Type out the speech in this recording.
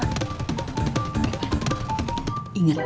iman inget ya apa yang gue omongin tadi